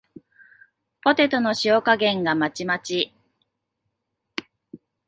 ポテトの塩加減がまちまち